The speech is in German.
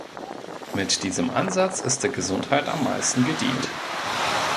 Mit diesem Ansatz ist der Gesundheit am meisten gedient.